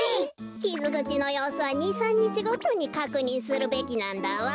きずぐちのようすは２３にちごとにかくにんするべきなんだわ。